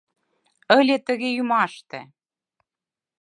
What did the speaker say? Ыле тыге ӱмаште